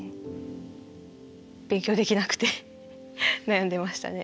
勉強できなくて悩んでましたね。